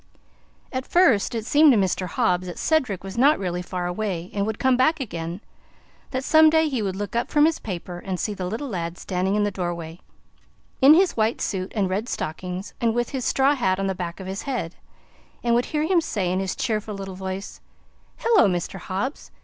At first it seemed to Mr. Hobbs that Cedric was not really far away, and would come back again; that some day he would look up from his paper and see the little lad standing in the door way, in his white suit and red stockings, and with his straw hat on the back of his head, and would hear him say in his cheerful little voice: "Hello, Mr. Hobbs!